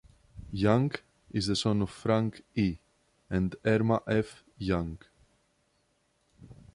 Young is the son of Frank E. and Erma F. Young.